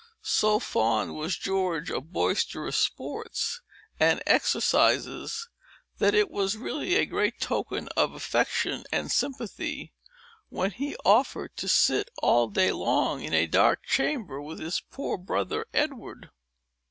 So fond was George of boisterous sports and exercises, that it was really a great token of affection and sympathy, when he offered to sit all day long in a dark chamber, with his poor brother Edward.